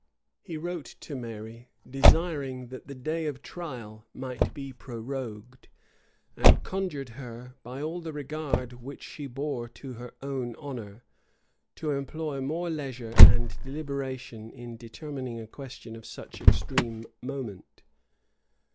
He wrote to Mary, desiring that the day of trial might be prorogued; and conjured her, by all the regard which she bore to her own honor, to employ more leisure and deliberation in determining a question of such extreme moment.